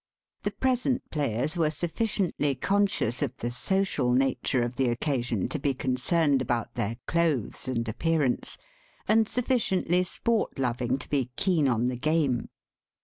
The present players were sufficiently conscious of the social nature of the occasion to be concerned about their clothes and appearance, and sufficiently sport loving to be keen on the game.